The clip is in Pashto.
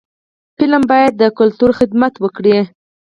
فلم باید د کلتور خدمت وکړي